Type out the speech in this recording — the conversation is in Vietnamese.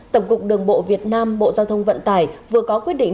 tổng cục đường bộ việt nam bộ giao thông vận tải vừa có quyết định